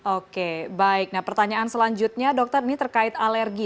oke baik nah pertanyaan selanjutnya dokter ini terkait alergi